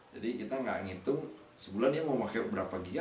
jadi kita nggak ngitung sebulan yang mau pakai berapa giga